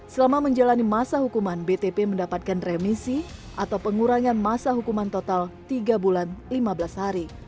selama menjalani masa hukuman btp mendapatkan remisi atau pengurangan masa hukuman total tiga bulan lima belas hari